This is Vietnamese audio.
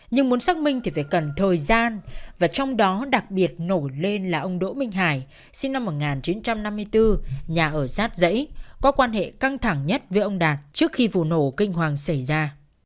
nhưng muốn xác minh thì phải cần thời gian và trong đó đặc biệt nổi lên là ông đỗ minh hải sinh năm một nghìn chín trăm năm mươi bốn nhà ở sát dãy có quan hệ căng thẳng nhất với ông đạt trước khi vụ nổ kinh hoàng xảy ra